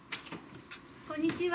こんにちは。